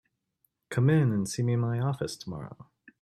Come in and see me in my office tomorrow.